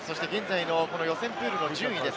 予選プールの順位です。